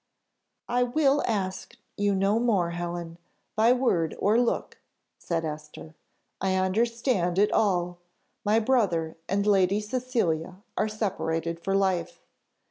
"I will ask you no more, Helen, by word or look," said Esther; "I understand it all, my brother and Lady Cecilia are separated for life.